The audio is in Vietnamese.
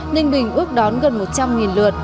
ninh bình ước đón gần một trăm linh lượt